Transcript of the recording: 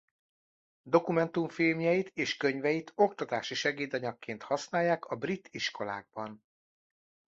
Dokumentumfilmjeit és könyveit oktatási segédanyagként használják a brit iskolákban.